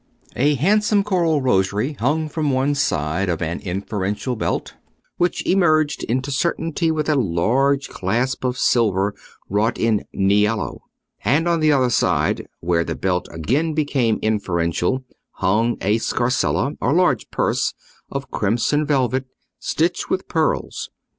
A handsome coral rosary hung from one side of an inferential belt, which emerged into certainty with a large clasp of silver wrought in niello; and, on the other side, where the belt again became inferential, hung a scarsella, or large purse, of crimson velvet, stitched with pearls.